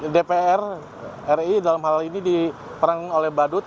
dpr ri dalam hal ini diperankan oleh badut